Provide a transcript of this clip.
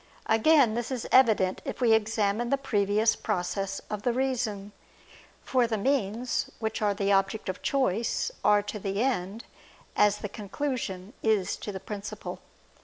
Again, this is evident if we examine the previous process of the reason. For the means, which are the object of choice, are to the end, as the conclusion is to the principle.